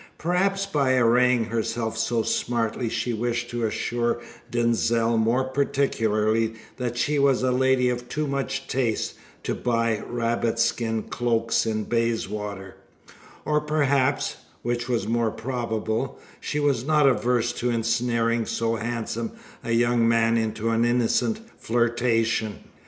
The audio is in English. Perhaps by arraying herself so smartly she wished to assure Denzil more particularly that she was a lady of too much taste to buy rabbit skin cloaks in Bayswater: or perhaps which was more probable she was not averse to ensnaring so handsome a young man into an innocent flirtation.